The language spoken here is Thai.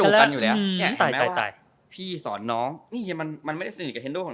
ยังไม่ว่าพี่สอนน้องนี่มันไม่ได้สนิทกับเท้นตัว